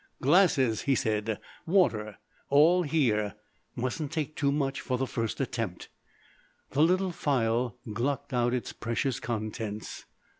"Glasses," he said, "water. All here. Mustn't take too much for the first attempt." The little phial glucked out its precious contents.